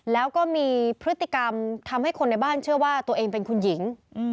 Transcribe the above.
แล้วก็มีพฤติกรรมทำให้คนในบ้านเชื่อว่าตัวเองเป็นคุณหญิง